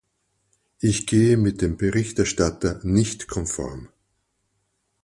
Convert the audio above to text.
Ich gehe mit dem Berichterstatter nicht konform.